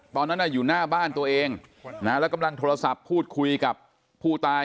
ตอนนั้นอยู่หน้าบ้านตัวเองนะแล้วกำลังโทรศัพท์พูดคุยกับผู้ตาย